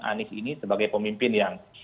anies ini sebagai pemimpin yang